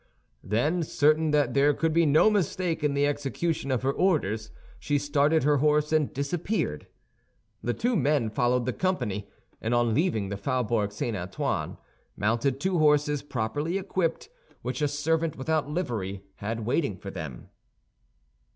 Then, certain that there could be no mistake in the execution of her orders, she started her horse and disappeared. The two men followed the company, and on leaving the Faubourg St. Antoine, mounted two horses properly equipped, which a servant without livery had waiting for them.